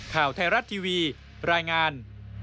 ข่าวไทยรัฐทีวีรายงาน